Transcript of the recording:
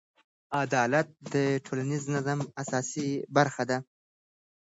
عدالت د ټولنیز نظم اساسي برخه ده.